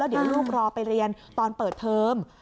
เดี๋ยวลูกรอไปเรียนตอนเปิดเทอม